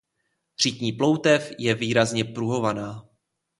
Řitní ploutev je výrazně pruhovaná.